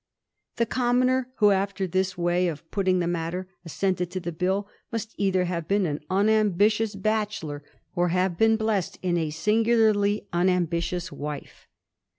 The commoner who, after this way of putting the matter, assented to the Bill, must either have been an unambitious bachelor, or have been blessed in a singularly unambitious wife.